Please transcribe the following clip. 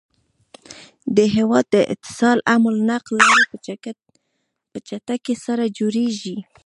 د هيواد د اتصال حمل نقل لاری په چټکی سره جوړيږي